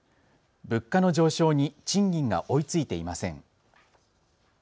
物価の上昇に賃金が追いついていません。